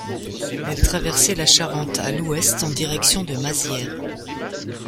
Elle traversait la Charente à l'ouest en direction de Mazières.